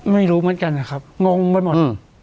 ไม่รู้เหมือนกันนะครับงงไปหมด